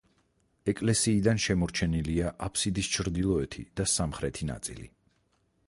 ეკლესიიდან შემორჩენილია აბსიდის ჩრდილოეთი და სამხრეთი ნაწილი.